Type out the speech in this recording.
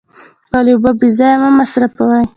خپلې اوبه بې ځایه مه مصرفوئ.